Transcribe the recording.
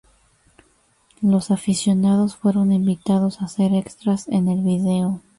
Los aficionados fueron invitados a ser extras en el vídeo.